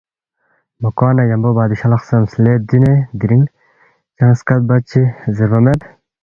مہ کوا نہ ن٘یمبو بادشاہ لہ خسمس، ”لے دیُون٘ی دِرِنگ چنگ سکت بت چی زیربا مید